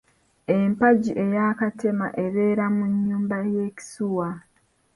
Empagi eya Katema ebeera mu nnyumba y’ekisuuwa.